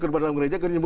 kutbah dalam gereja